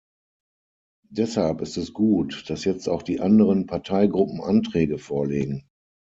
Deshalb ist es gut, dass jetzt auch die anderen Parteigruppen Anträge vorlegen.